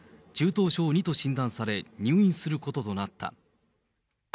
中等症２と診断され、入院することとなった。